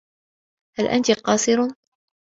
هل أنتِ قاصرة؟